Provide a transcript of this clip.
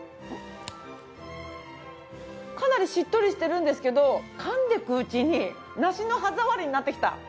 かなりしっとりしてるんですけど噛んでいくうちに梨の歯触りになってきた。